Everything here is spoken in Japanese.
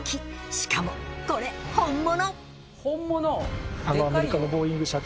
しかもこれ本物。